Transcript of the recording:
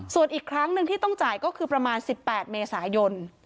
ส่วนอีกครั้งหนึ่งที่ต้องจ่ายก็คือประมาณ๑๘เมษายน